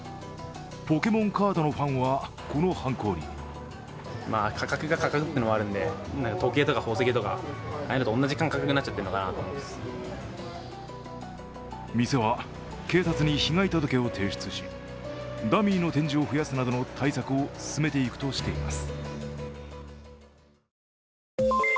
ポケモンカードのファンはこの犯行に店は警察に被害届を提出し、ダミーの展示を増やすなどの対策を進めていくとしています。